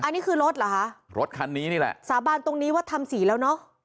อันนี้คือรถเหรอคะรถคันนี้นี่แหละสาบานตรงนี้ว่าทำสีแล้วเนอะ